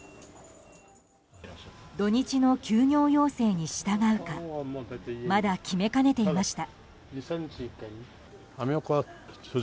土日の休業要請に従うかまだ決めかねていました。